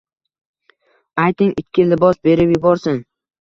Ayting, ikki libos berib yuborsin